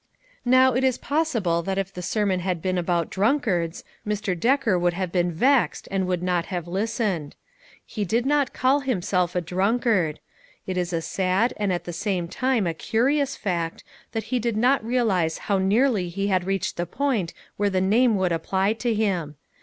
Now it is possible that if the sermon had been about drunkards, Mr. Decker would have been vexed and would not have listened. .He THE LITTLE PICTURE MAKERS. 253 did not call himself a drunkard ; it is a sad and at the same time a curious fact that he did not realize 'how nearly he had reached the point where the name would apply to him.